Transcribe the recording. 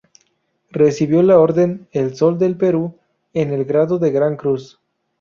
Recibió la Orden El Sol del Perú en el grado de Gran Cruz.